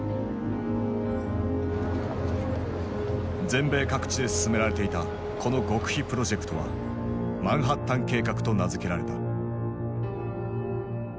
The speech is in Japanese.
全米各地で進められていたこの極秘プロジェクトは「マンハッタン計画」と名付けられた。